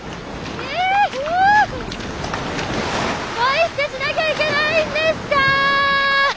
恋ってしなきゃいけないんですか？